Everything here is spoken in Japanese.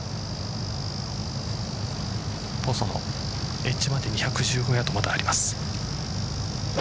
エッジまで２５０ヤードまだあります。